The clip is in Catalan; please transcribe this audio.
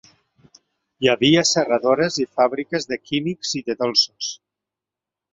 Hi havia serradores i fàbriques de químics i de dolços.